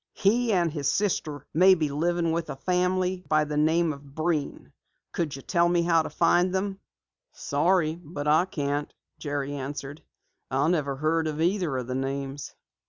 He and his sister may be living with a family by the name of Breen. Could you tell me how to find them?" "Sorry, but I can't," Jerry answered. "I never heard either of the names."